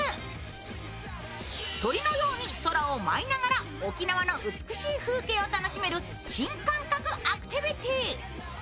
鳥のように空を舞いながら沖縄の美しい風景を楽しめる新感覚アクティビティー。